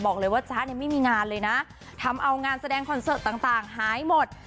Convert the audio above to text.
บอกเลยว่าจ๊ะเนี่ยไม่มีงานเลยนะทำเอางานแสดงคอนเสิร์ตต่างหายหมด